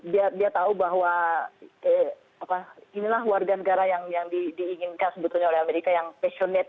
dia tahu bahwa inilah warga negara yang diinginkan sebetulnya oleh amerika yang passionate